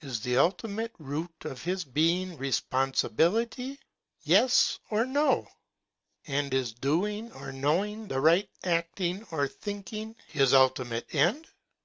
Is the ultimate root of his being 24 AMIEL'S JOURNAL. responsibility, —yes orno? And is doing or knowing the right, acting or thinking, his ultimate end?